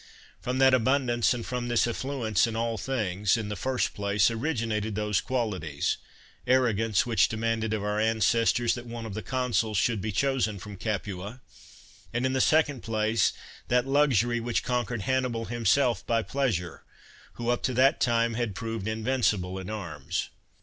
From that abundance, and from this aflBuence in all things, in the first place, origi nated those qualities — arrogance, which demand ed of our ancestors that one of the consuls should be chosen from Capua ; and in the second place, that luxury which conquered Hannibal himself by pleasure, who up to that time had proved in vincible in arms.